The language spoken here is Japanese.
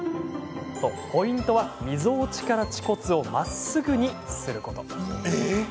ポイントはみぞおちから恥骨をまっすぐにすること。